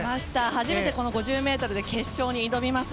初めてこの５０ｍで決勝に挑みます。